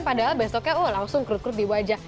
padahal besoknya oh langsung kerut kerut di wajah